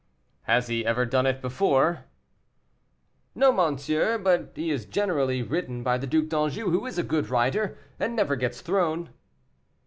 "Has he ever done it before?" "No, monsieur; he is generally ridden by the Duc d'Anjou, who is a good rider, and never gets thrown."